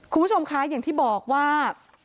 คุณผู้ชมคะอย่างที่บอกว่า